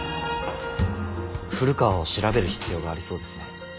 古川を調べる必要がありそうですね。